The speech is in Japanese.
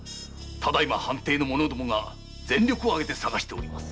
只今藩邸の者どもが全力を挙げて捜しております。